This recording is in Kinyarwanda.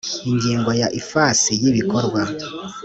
ingingo ya ifasi y ibikorwa